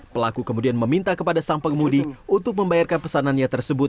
pelaku kemudian meminta kepada sang pengemudi untuk membayarkan pesanannya tersebut